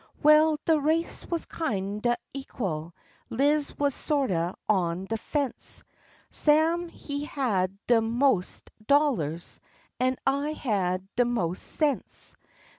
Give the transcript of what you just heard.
Well, de race was kinder equal, Lize wuz sorter on de fence; Sam he had de mostes dollars, an' I had de mostes sense.